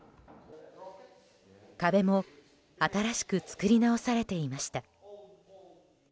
壁も、新しく作り直されていました。